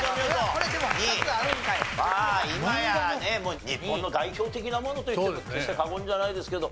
まあ今やね日本の代表的なものと言っても決して過言じゃないですけど。